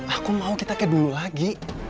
aku mau kita ke dulu lagi